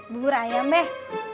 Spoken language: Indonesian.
bubur ayam beh